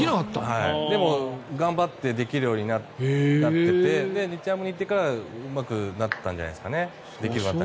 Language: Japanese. でも、頑張ってできるようになっていて日ハムに行ってからうまくなったんじゃないんですかね。